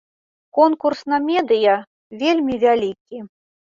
Конкурс на медыя вельмі вялікі.